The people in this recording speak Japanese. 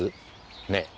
ねえ？